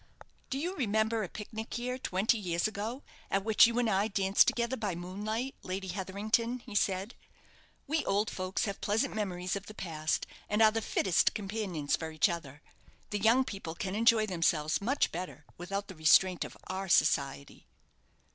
"Do you remember a pic nic here twenty years ago, at which you and I danced together by moon light, Lady Hetherington?" he said. "We old folks have pleasant memories of the past, and are the fittest companions for each other. The young people can enjoy themselves much better without the restraint of our society."